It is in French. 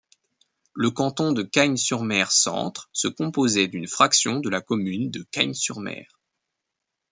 Le canton de Cagnes-sur-Mer-Centre se composait d’une fraction de la commune de Cagnes-sur-Mer.